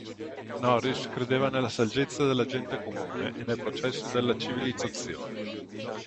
Norris credeva nella saggezza della gente comune e nel progresso della civilizzazione.